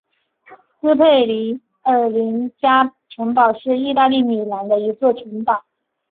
斯佩尔林加城堡是意大利米兰的一座城堡。